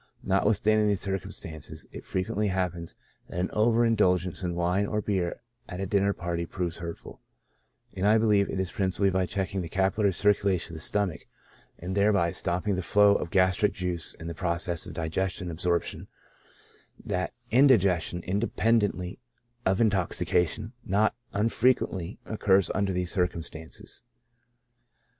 Notwithstanding these circumstances, it frequently happens that an over indulgence in wine or beer at a dinner party proves hurtful ; and I beheve it is principally by checking the capillary circulation of the stomach, and thereby stop ping the flow of gastric juice and the process of digestion and absorption, that indigestion, independently of intoxica tion, not unfrequently occurs under these circumstances.